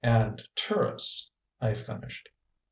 "And tourists," I finished.